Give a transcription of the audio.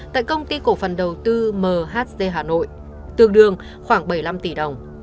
tại công ty cổ phần đầu tư mhz hà nội tương đương khoảng bảy mươi năm tỷ đồng